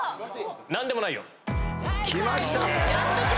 『なんでもないよ、』